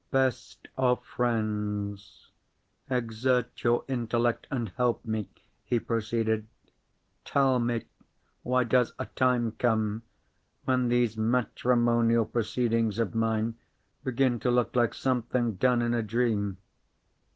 "Best of friends, exert your intellect, and help me," he proceeded. "Tell me—why does a time come when these matrimonial proceedings of mine begin to look like something done in a dream?